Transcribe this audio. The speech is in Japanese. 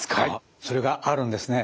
それがあるんですね。